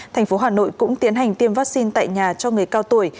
thành phố hà nội cũng tiến hành tiêm vaccine tại nhà cho người cao tuổi